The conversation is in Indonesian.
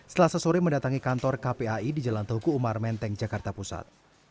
setelah sesore mendatangi kantor kpai di jalan teguh umar menteng jakarta pusat